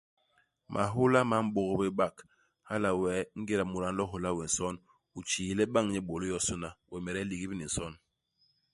Mahôla ma m'bôk bé bak hala wee, ingéda mut a nlo ihôla we nson, u tjiile bañ nye bôlô yosôna, wemede ligip ni nson.